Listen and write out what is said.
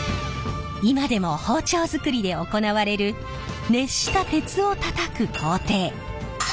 今でも包丁づくりで行われる熱した鉄をたたく工程鍛錬。